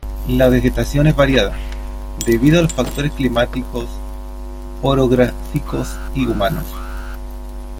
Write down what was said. La vegetación es variada, debido a factores climáticos, orográficos y humanos.